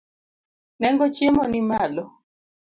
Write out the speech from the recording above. Nengo chiemo nimalo.